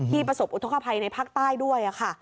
ประสบอุทธกภัยในภาคใต้ด้วยค่ะ